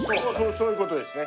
そういう事ですね。